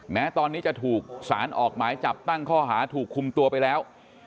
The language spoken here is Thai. แม้ตอนนี้จะถูกสารออกหมายจับตั้งข้อหาถูกคุมตัวไปแล้ว